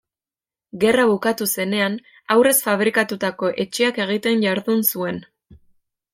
Gerra bukatu zenean, aurrez fabrikatutako etxeak egiten jardun zuen.